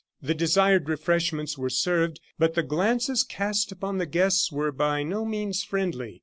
The desired refreshments were served, but the glances cast upon the guests were by no means friendly.